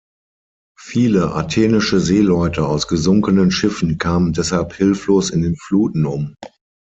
Viele athenische Seeleute aus gesunkenen Schiffen kamen deshalb hilflos in den Fluten um.